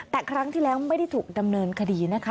แต่ครั้งที่แล้วไม่ได้ถูกดำเนินคดีนะคะ